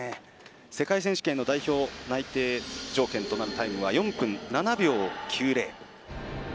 世界選手権の代表内定条件となるタイムは４分７秒９０。